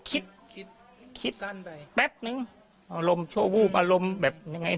คิดคิดแป๊บนึงอารมณ์โชว์วูบอารมณ์แบบไหน